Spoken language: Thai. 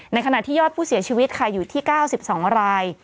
ในขณะที่ยอดผู้เสียชีวิตค่ะอยู่ที่๙๒ราย